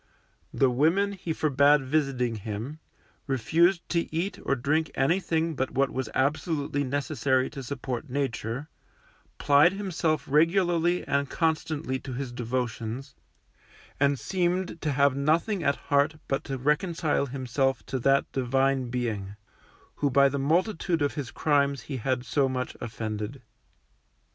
The women he forbid visiting him, refused to eat or drink anything but what was absolutely necessary to support Nature, plied himself regularly and constantly to his devotions, and seemed to have nothing at heart but to reconcile himself to that Divine Being, who by the multitude of his crimes he had so much offended.